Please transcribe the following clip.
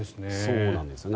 そうなんですね。